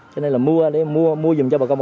cho nên là mua để mua mua dùng cho bà con